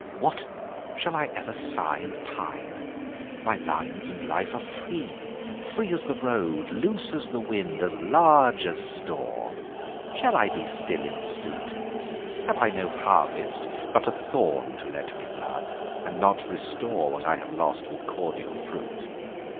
What? shall I ever sigh and pine? My lines and life are free; free as the road, Loose as the wind, as large as store. Shall I be still in suit? Have I no harvest but a thorn To let me blood, and not restore What I have lost with cordial fruit?